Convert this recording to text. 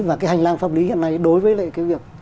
và cái hành lang pháp lý hiện nay đối với lại cái việc